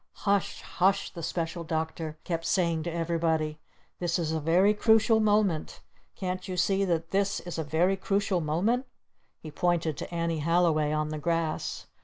"Hush Hush!" the Special Doctor kept saying to everybody. "This is a very crucial moment! Can't you see that this a very crucial moment?" He pointed to Annie Halliway on the grass.